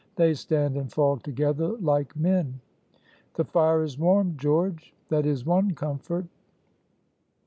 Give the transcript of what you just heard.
They stand and fall together like men. The fire is warm, George that is one comfort."